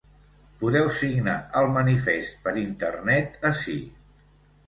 Podeu signar el manifest per internet ací.